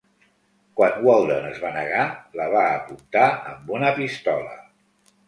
Quan Walden es va negar, la va apuntar amb una pistola.